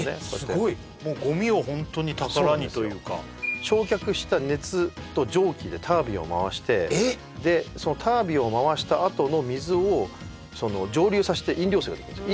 すごいもうごみをホントに宝にというか焼却した熱と蒸気でタービンを回してでそのタービンを回したあとの水を蒸留させて飲料水ができるんです